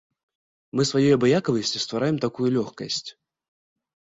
Мы сваёй абыякавасцю ствараем такую лёгкасць.